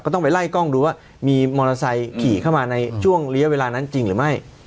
ต้องไปไล่กล้องดูว่ามีมอเตอร์ไซค์ขี่เข้ามาในช่วงระยะเวลานั้นจริงหรือไม่